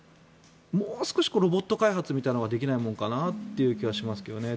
もう少しロボット開発なんかできないものかなという気がしますがね。